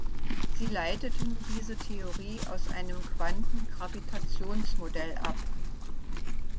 Sie leiteten diese Theorie aus einem Quantengravitations-Modell ab.